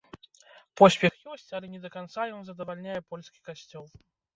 Поспех ёсць, але не да канца ён задавальняе польскі касцёл.